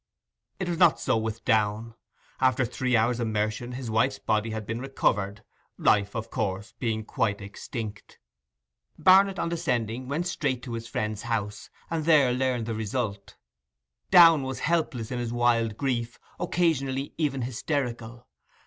It was not so with Downe. After three hours' immersion his wife's body had been recovered, life, of course, being quite extinct. Barnet on descending, went straight to his friend's house, and there learned the result. Downe was helpless in his wild grief, occasionally even hysterical.